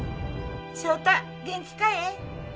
翔太元気かえ？